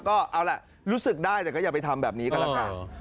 ก็เอาล่ะรู้สึกได้แต่ก็อย่าไปทำแบบนี้กันละกัน